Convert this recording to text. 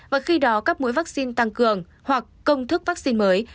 và khi đó các mũi vaccine tăng cường hoặc công thức vaccine mới